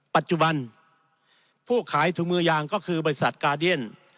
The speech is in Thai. ปัจจุบันผู้ขายถุงมือยางก็คือบริษัทกาเดียน